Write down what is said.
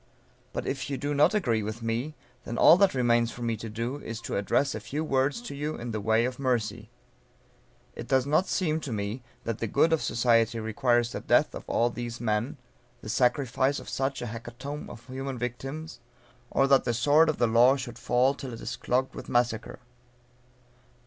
But if you do not agree with me, then all that remains for me to do, is to address a few words to you in the way of mercy. It does not seem to me that the good of society requires the death of all these men, the sacrifice of such a hecatomb of human victims, or that the sword of the law should fall till it is clogged with massacre.